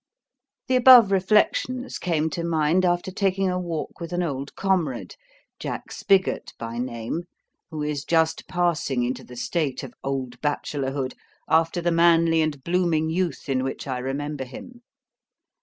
The above reflections came to mind after taking a walk with an old comrade, Jack Spiggot by name, who is just passing into the state of old bachelorhood, after the manly and blooming youth in which I remember him.